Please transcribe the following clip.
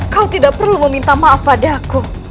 kau tidak perlu meminta maaf padaku